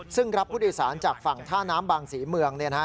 ซึ่งรับผู้โดยสารจากฝั่งท่าน้ำบางศรีเมือง